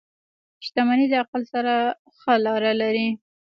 • شتمني د عقل سره ښه لاره لري.